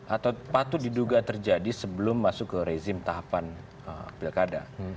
atau patut diduga terjadi sebelum masuk ke rezim tahapan pilkada